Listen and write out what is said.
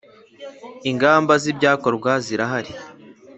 ingamba z’ ibyakorwa zirahari.